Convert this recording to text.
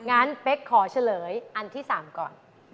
งั้นเป๊กขอเฉลยอันที่๓ก่อน